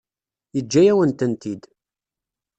Yeǧǧa-yawen-tent-id.